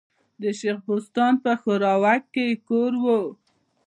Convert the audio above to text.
د شېخ بستان په ښوراوک کي ئې کور ؤ.